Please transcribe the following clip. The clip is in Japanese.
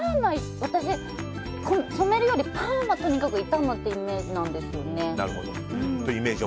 私、染めるよりパーマはとにかく傷むというイメージなんですよね。